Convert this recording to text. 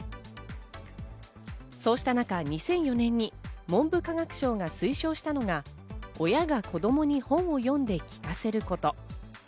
そうした中、２００４年に文部科学省が推奨したのが親が子供に本を読んで聞かせること。